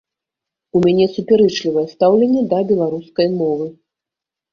У мяне супярэчлівае стаўленне да беларускай мовы.